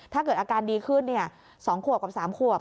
ถ้าเกิดอาการดีขึ้น๒๓ขวบ